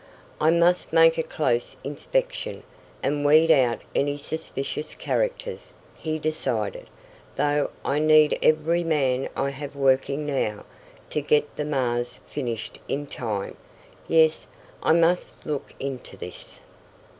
"I must make a close inspection, and weed out any suspicious characters," he decided, "though I need every man I have working now, to get the Mars finished in time. Yes, I must look into this."